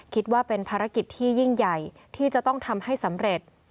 คิดว่าเป็นภารกิจที่ยิ่งใหญ่ที่จะต้องทำให้สำเร็จ